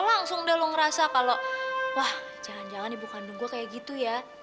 langsung deh lo ngerasa kalau wah jangan jangan ibu kandung gue kayak gitu ya